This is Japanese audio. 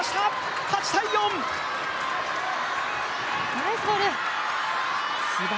ナイスボール。